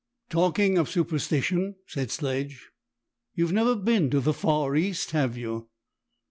"Talking of superstition," said Sledge, "you have never been to the Far East, have you?"